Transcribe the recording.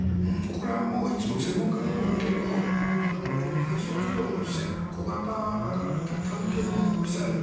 これはもういつも専門家が言うように変則軌道の短距離ミサイル。